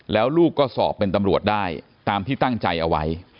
แล้วลูกก็สอบเป็นตำรวจได้ตามที่ตั้งใจเอาไว้